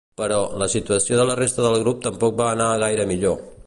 Però, la situació de la resta del grup tampoc va anar gaire millor.